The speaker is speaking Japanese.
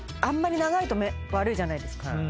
あんまり長いと悪いじゃないですか。